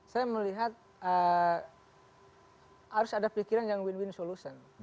saya melihat harus ada pikiran yang win win solution